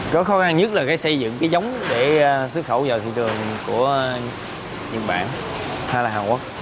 cái khó khăn nhất là cái xây dựng cái giống để xuất khẩu vào thị trường của nhật bản hay là hàn quốc